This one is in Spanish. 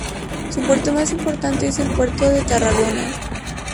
Su puerto más importante es el Puerto de Tarragona.